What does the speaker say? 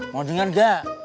mau denger dah